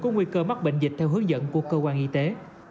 có nguy cơ mắc bệnh dịch theo hướng dẫn của cơ quan y tế